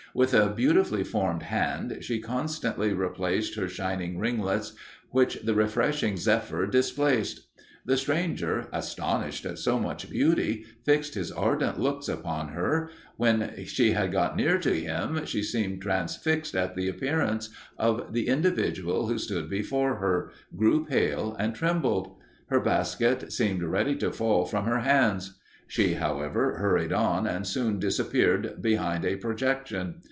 With a beautifully formed hand she constantly replaced her shining ringlets, which the refreshing zephyr displaced. The stranger, astonished at so much beauty, fixed his ardent looks upon her; when she had got near to him, she seemed transfixed at the appearance of the individual who stood before her, grew pale, and trembled. Her basket seemed ready to fall from her hands. She, however, hurried on, and soon disappeared behind a projection.